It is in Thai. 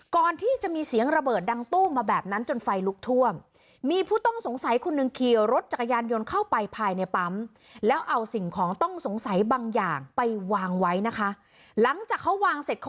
ก่อนที่จะมีเสียงระเบิดดังตู้มาแบบนั้นจนไฟลุกท่วม